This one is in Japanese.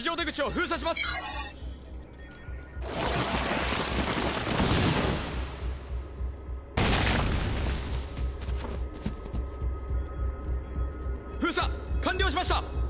封鎖完了しました！